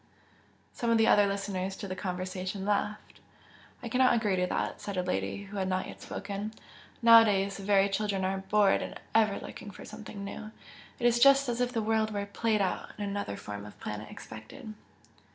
Some of the other listeners to the conversation laughed. "I cannot quite agree to that" said a lady who had not yet spoken "Nowadays the very children are 'bored' and ever looking for something new it is just as if the world were 'played out' and another form of planet expected."